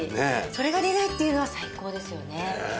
それが出ないっていうのは最高ですよね。